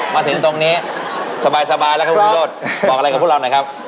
มาถึงตรงนี้สบายแล้วครับคุณวิโรธบอกอะไรกับพวกเราหน่อยครับ